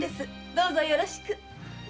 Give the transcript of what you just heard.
どうぞよろしく。